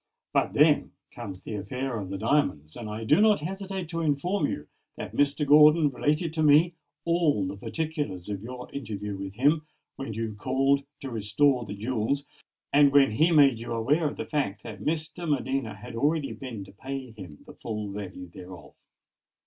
But then comes the affair of the diamonds; and I do not hesitate to inform you that Mr. Gordon related to me all the particulars of your interview with him, when you called to restore the jewels, and when he made you aware of the fact that Miss de Medina had already been to pay him the full value thereof."